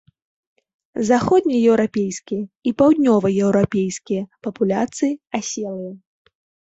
Заходнееўрапейскія і паўднёваеўрапейскія папуляцыі аселыя.